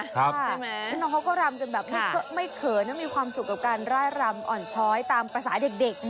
น้องเขาก็รำกันแบบไม่เขินนะมีความสุขกับการร่ายรำอ่อนช้อยตามภาษาเด็ก